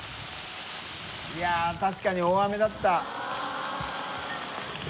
いや確かに大雨だった。